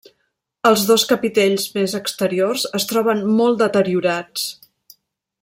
Els dos capitells més exteriors es troben molt deteriorats.